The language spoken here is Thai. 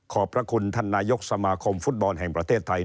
พระคุณท่านนายกสมาคมฟุตบอลแห่งประเทศไทย